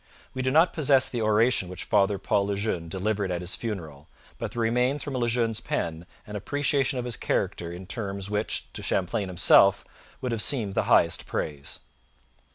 We do not possess the oration which Father Paul Le Jeune delivered at his funeral, but there remains from Le Jeune's pen an appreciation of his character in terms which to Champlain himself would have seemed the highest praise.